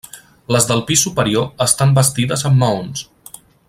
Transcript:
Les del pis superior estan bastides amb maons.